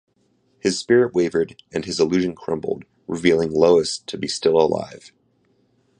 His spirit wavered, and his illusion crumbled, revealing Lois to be still alive.